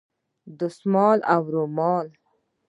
دستمال او رومال